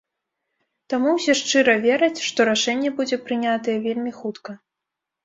Таму ўсе шчыра вераць, што рашэнне будзе прынятае вельмі хутка.